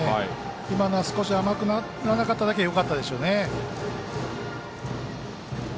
今のは少し甘くならなかっただけよかったでしょうね。